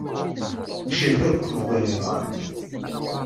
Necrek akk deg ayen yeḍran.